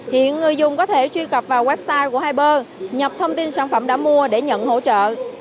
hiện người dùng có thể truy cập vào website của haiber nhập thông tin sản phẩm đã mua để nhận hỗ trợ